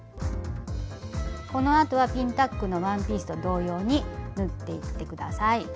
このあとはピンタックのワンピースと同様に縫っていってください。